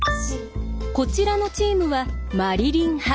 こちらのチームはマリリン派。